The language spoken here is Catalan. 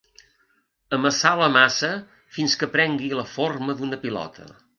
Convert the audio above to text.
Amassar la massa fins que prengui la forma d'una pilota.